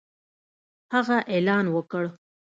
هغه اعلان وکړ